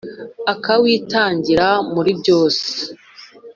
Aka witangira muri byose.